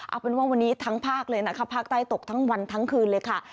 เอาเป็นว่าวันนี้ทั้งภาคเลยนะคะภาคใต้ตกทั้งวันทั้งคืนเลยค่ะ